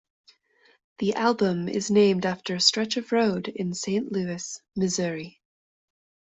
The album is named after a stretch of road in Saint Louis, Missouri.